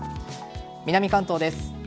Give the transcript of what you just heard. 南関東です。